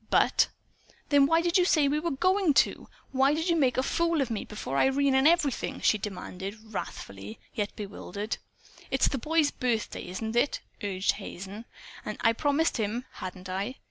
But " "Then why did you say you were going to? Why did you make a fool of me before Irene and everything?" she demanded, wrathful yet bewildered. "It's the boy's birthday, isn't it?" urged Hazen. "And I'd promised him, hadn't I?